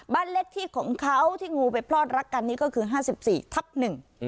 บ้านเล็กที่ของเขาที่งูไปพลอดละกันนี้ก็คือ๕๔ทับหนึ่ง